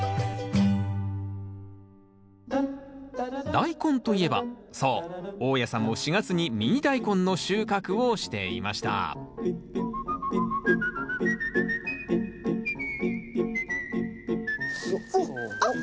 ダイコンといえばそう大家さんも４月にミニダイコンの収穫をしていましたあっ